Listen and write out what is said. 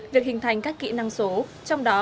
được hình thành các kỹ năng số trong đó